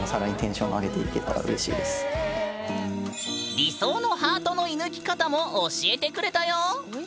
理想のハートの射ぬき方も教えてくれたよ。